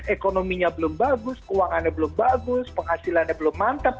ekonominya belum bagus keuangannya belum bagus penghasilannya belum mantap